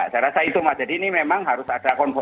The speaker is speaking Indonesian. saya rasa itu mas jadi ini memang harus ada